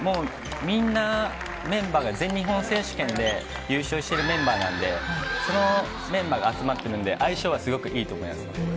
みんな、メンバーが全日本選手権で優勝しているメンバーなんで、そのメンバーが集まってるんで、相性はすごくいいと思います。